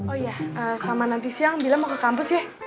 oh iya sama nanti siang bilang mau ke kampus ya